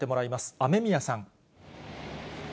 雨宮さん。